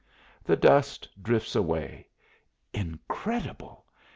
The dust drifts away. Incredible!